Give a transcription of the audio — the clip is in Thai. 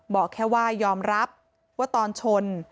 บอกแค่ว่ายอมรับว่าตอนชน